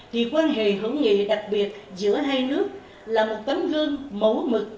thì quan hệ hữu nghị đặc biệt giữa hai nước là một tấm gương mẫu mực